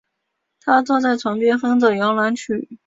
她坐在床边哼着摇篮曲